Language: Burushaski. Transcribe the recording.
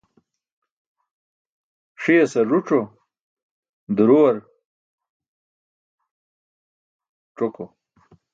Ṣiyasar ruc̣o, duruwar c̣oko.